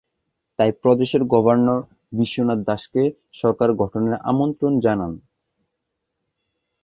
তাই প্রদেশের গভর্নর বিশ্বনাথ দাসকে সরকার গঠনের আমন্ত্রণ জানান।